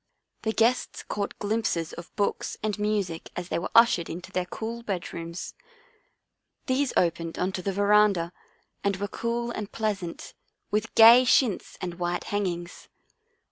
The guests caught glimpses of books and music as they were ushered into their cool bedrooms. These opened on to the veranda and were cool and pleasant, with gay chintz and white hangings.